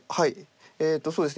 えとそうですね。